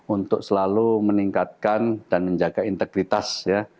untuk selalu meningkatkan dan menjaga integritas ya